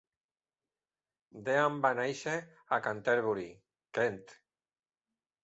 Dean va néixer a Canterbury, Kent.